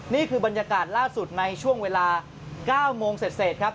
นี่คือบรรยากาศล่าสุดในช่วงเวลา๙โมงเสร็จครับ